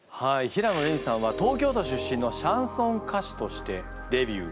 平野レミさんは東京都出身のシャンソン歌手としてデビュー。